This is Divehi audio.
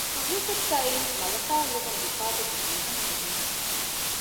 ޙަޤީޤަތުގައި އެއީ މަލަކާއަށް ލިބުނު ހިސާބެއްގެ ހިތްހަމަޖެހުމެއް